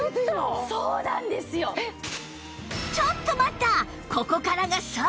ちょっと待った！